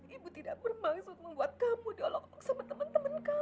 ibu tidak bermaksud membuat kamu diolok olok sama temen temen kamu